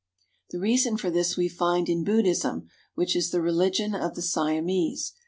The reason for this we find in Buddhism, which is the religion of the Siamese.